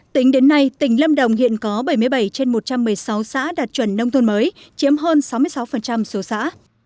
tính đến nay tỉnh lâm đồng hiện có bảy mươi bảy trên một trăm một mươi sáu xã đạt chuẩn nông thôn mới chiếm hơn sáu mươi sáu số xã